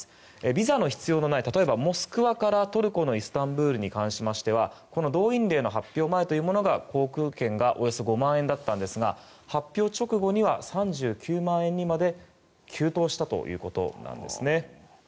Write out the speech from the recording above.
ビザの必要のない例えばモスクワからトルコのイスタンブールに関しては動員令の発表前というものが航空券がおよそ５万円だったんですが発表直後には３９万円にまで急騰したということなんですね。